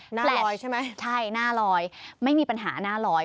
ลอยใช่ไหมใช่หน้าลอยไม่มีปัญหาหน้าลอย